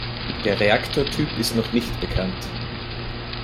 Der Reaktortyp ist noch nicht bekannt.